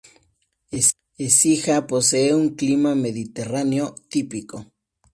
Écija posee un clima mediterráneo típico.